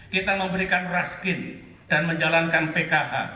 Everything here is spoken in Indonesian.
kita memberikan raskin dan menjalankan pkh